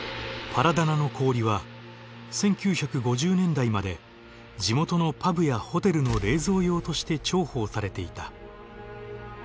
パラダナの氷は１９５０年代まで地元のパブやホテルの冷蔵用として重宝されていた。